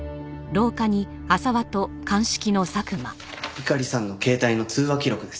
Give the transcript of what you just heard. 猪狩さんの携帯の通話記録です。